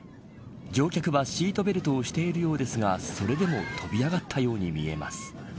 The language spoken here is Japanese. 乗客はシートベルトをしているようですがそれでも飛び上がったように見えます。